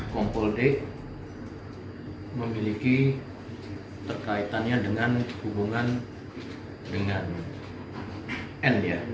kompol d memiliki terkaitannya dengan hubungan dengan n ya